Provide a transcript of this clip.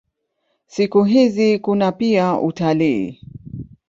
Siku hizi kuna pia utalii.